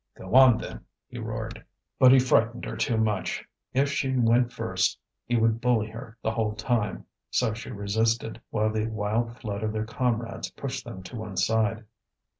"Go on, then!" he roared. But he frightened her too much. If she went first he would bully her the whole time. So she resisted, while the wild flood of their comrades pushed them to one side.